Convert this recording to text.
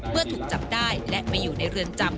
เมื่อถูกจับได้และมาอยู่ในเรือนจำ